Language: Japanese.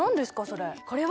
それ。